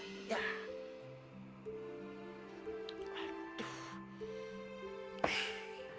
pak pak pak